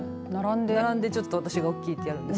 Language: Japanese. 並んで私が大きいってやるんですか。